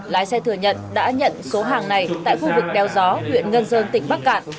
lái xe thừa nhận đã nhận số hàng này tại khu vực đeo gió huyện ngân dơn tỉnh bắc cạn